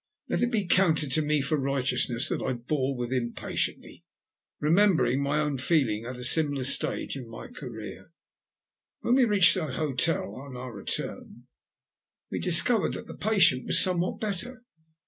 Let it be counted to me for righteousness that I bore with him patiently, remembering my own feeling at a similar stage in my career. When we reached the hotel on our return, we discovered that the patient was somewhat better.